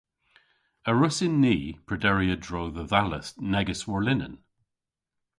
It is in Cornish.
A wrussyn ni prederi a-dro dhe dhalleth negys warlinen?